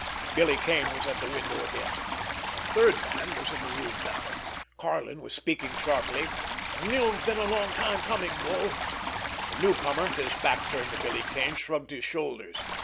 Billy Kane was at the window again. A third man was in the room now. Karlin was speaking sharply. "You've been a long time coming, Bull!" The newcomer, his back turned to Billy Kane, shrugged his shoulders.